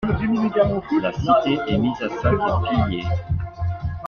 La cité est mise à sac et pillée.